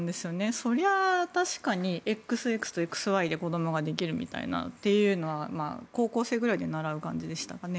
そりゃ確かにＸＸとＸＹで子供ができるみたいなことは高校生くらいで習う感じでしたかね。